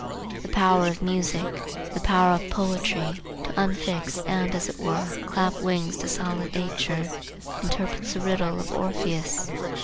The power of music, the power of poetry, to unfix and as it were clap wings to solid nature, interprets the riddle of Orpheus.